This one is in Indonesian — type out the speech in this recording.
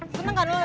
seneng gak dulu